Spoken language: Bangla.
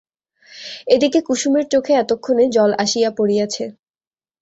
এদিকে কুসুমের চোখে এতক্ষণে জল আসিয়া পড়িয়াছে।